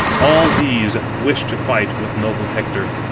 All these wished to fight with noble Hector.